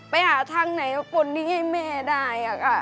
ไปหาทางไหนมาปนนี้ให้แม่ได้ค่ะ